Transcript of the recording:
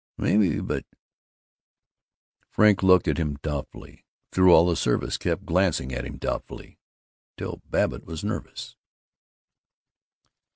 "Maybe, but " Frink looked at him doubtfully, through all the service kept glancing at him doubtfully, till Babbitt was nervous.